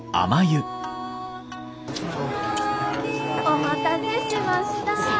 お待たせしました。